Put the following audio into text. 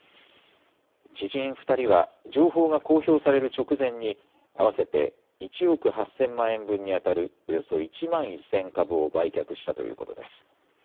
知人２人は情報が公表される直前に合わせて１億８０００万円分にあたるおよそ１万１０００株を売却したということです。